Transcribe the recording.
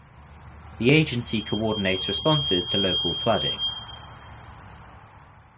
The agency coordinates responses to local flooding.